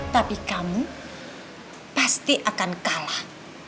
tapi kamu pasti akan kalah